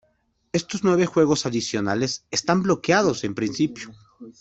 Estos nueve juegos adicionales están bloqueados en principio.